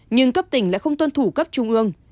nhưng cấp tỉnh lại không tuân thủ cấp trung ương